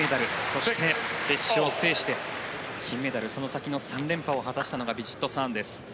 そして、決勝を制して金メダルその先の３連覇を果たしたのがヴィチットサーンです。